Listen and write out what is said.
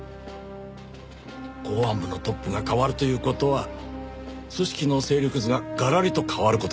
公安部のトップが変わるという事は組織の勢力図ががらりと変わる事だからね。